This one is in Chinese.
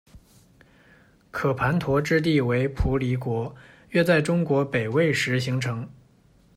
渴盘陀之地为蒲犁国，约在中国北魏时形成。